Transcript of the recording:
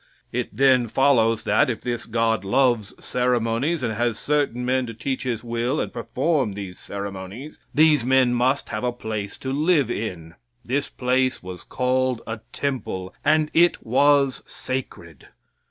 It then follows that, if this God loves ceremonies and has certain men to teach His will and perform these ceremonies, these men must have a place to live in. This place was called a temple, and it was sacred.